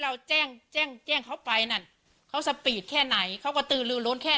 เราแจ้งแจ้งแจ้งเขาไปน่ะเขาแค่ไหนเขาก็ตืลลลลลแค่